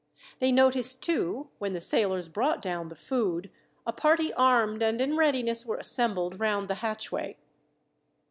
They noticed, too, when the sailors brought down the food, a party armed and in readiness were assembled round the hatchway.